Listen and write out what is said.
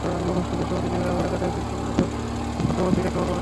নূর হোসেনের সহযোগীরা আবার এলাকায় ফিরেছেন বলে পত্র-পত্রিকায় খবর প্রকাশিত হয়েছে।